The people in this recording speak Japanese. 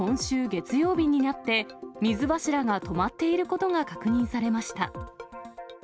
月曜日になって、水柱が止まっていることが確認されました。